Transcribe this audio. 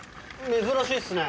珍しいっすね。